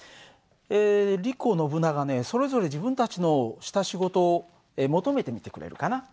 えリコノブナガねそれぞれ自分たちのした仕事を求めてみてくれるかな？